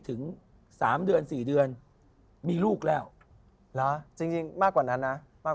ถึง๓เดือน๔เดือนมีลูกแล้วเหรอจริงมากกว่านั้นนะมาก